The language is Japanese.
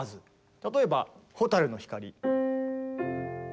例えば「蛍の光」。